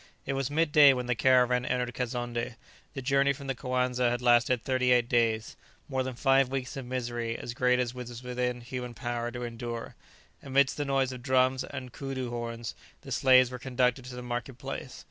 It was midday when the caravan entered Kazonndé. The journey from the Coanza had lasted thirty eight days, more than five weeks of misery as great as was within human power to endure. Amidst the noise of drums and coodoo horns the slaves were conducted to the marketplace.